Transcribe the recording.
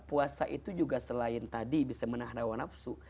puasa itu juga selain tadi bisa menahan hawa nafsu